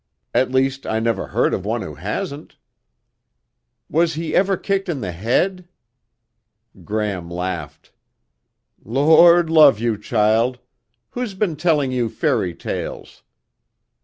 At least, I never heard of one who hasn't." "Was he ever kicked in the head?" Gram laughed. "Lord love you, child. Who's been telling you fairy tales?"